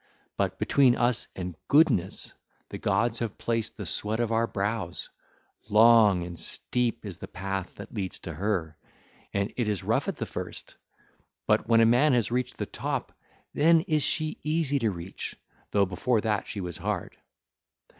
But between us and Goodness the gods have placed the sweat of our brows: long and steep is the path that leads to her, and it is rough at the first; but when a man has reached the top, then is she easy to reach, though before that she was hard.